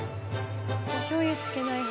おしょうゆつけない派。